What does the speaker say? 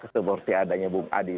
seperti adanya bung adi